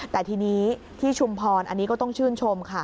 แต่ทีนี้ที่ชุมพรอันนี้ก็ต้องชื่นชมค่ะ